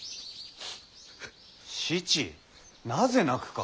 七なぜ泣くか。